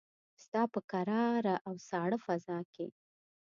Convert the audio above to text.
ستا په کراره او ساړه فضاکې